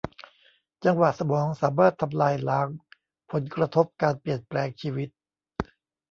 จังหวะสมองสามารถทำลายล้างผลกระทบการเปลี่ยนแปลงชีวิต